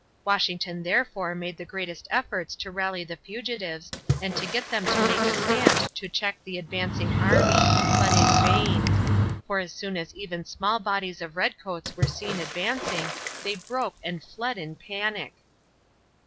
Washington therefore made the greatest efforts to rally the fugitives and to get them to make a stand to check the advancing enemy, but in vain; for, as soon as even small bodies of redcoats were seen advancing, they broke and fled in panic.